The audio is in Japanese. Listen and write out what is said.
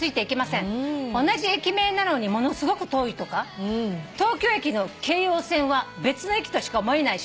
「同じ駅名なのにものすごく遠いとか東京駅の京葉線は別の駅としか思えないし」